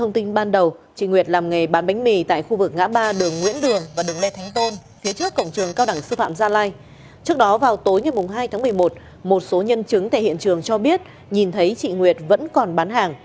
trước đó vào tối ngày hai tháng một mươi một một số nhân chứng tại hiện trường cho biết nhìn thấy chị nguyệt vẫn còn bán hàng